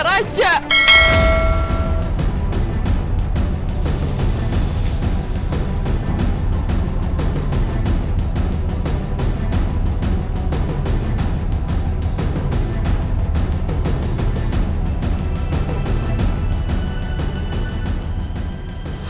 raja itu anaknya